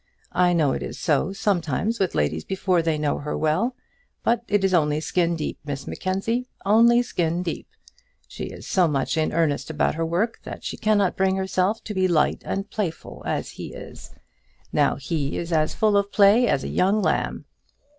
I know it is so sometimes with ladies before they know her well; but it is only skin deep, Miss Mackenzie, only skin deep. She is so much in earnest about her work, that she cannot bring herself to be light and playful as he is. Now, he is as full of play as a young lamb."